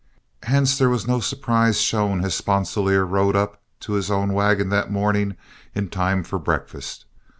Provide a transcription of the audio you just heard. Hence there was no surprise shown as Sponsilier rode up to his own wagon that morning in time for breakfast.